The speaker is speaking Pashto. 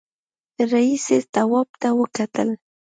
رئيسې تواب ته وکتل.